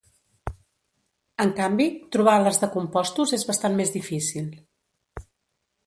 En canvi, trobar les de compostos és bastant més difícil.